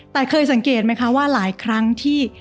แต่เคยสังเกตไหมคะว่าหลายครั้งที่